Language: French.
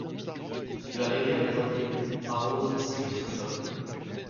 La rivière des Anglais arrose Saint-Chrysostome.